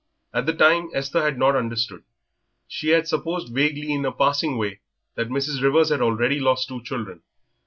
At the time Esther had not understood. She had supposed vaguely, in a passing way, that Mrs. Rivers had already lost two children.